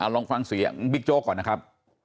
ลองฟังเสียงบิ๊กโจ๊กก่อนนะครับ